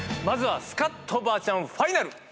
まずはスカッとばあちゃんファイナル。